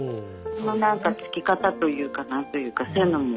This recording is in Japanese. そのなんかつけ方というか何というかそういうのも。